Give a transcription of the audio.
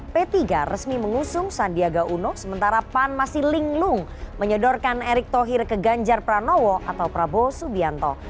p tiga resmi mengusung sandiaga uno sementara pan masih linglung menyodorkan erick thohir ke ganjar pranowo atau prabowo subianto